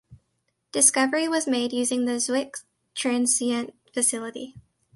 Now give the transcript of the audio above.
Discovery was made using the Zwicky Transient Facility.